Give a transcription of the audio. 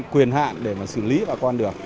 quyền hạn để mà xử lý bà con được